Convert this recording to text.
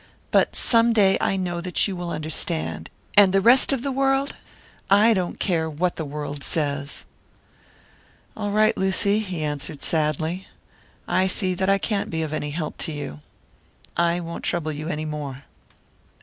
But some day I know that you will understand; and the rest of the world I don't care what the world says." "All right, Lucy," he answered, sadly. "I see that I can't be of any help to you. I won't trouble you any more."